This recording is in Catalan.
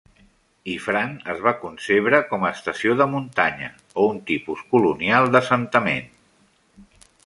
Ifrane es va concebre com a "estació de muntanya" o un tipus colonial d'assentament.